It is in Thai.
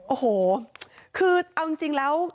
โอ้โหคือเอาจริงแล้ว